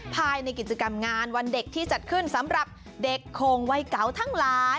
ภายในกิจกรรมงานวันเด็กที่จัดขึ้นสำหรับเด็กโคงวัยเก่าทั้งหลาย